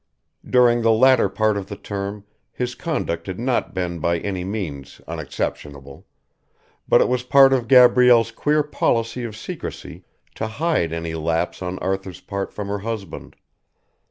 During the latter part of the term his conduct had not been by any means "unexceptionable"; but it was part of Gabrielle's queer policy of secrecy to hide any lapse on Arthur's part from her husband.